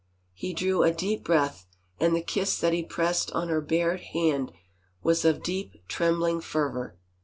He drew a deep breath and the kiss that he pressed on her bared hand was of deep, trembling fervor.